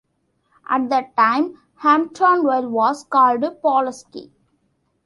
At the time, Hamptonville was called "Pollasky".